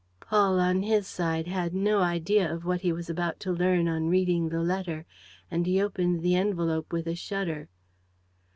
Paul, on his side, had no idea of what he was about to learn on reading the letter; and he opened the envelope with a shudder.